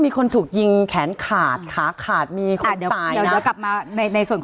มีคนถูกยิงแขนขาดขาขาดมีคนตายเดี๋ยวกลับมาในในส่วนของ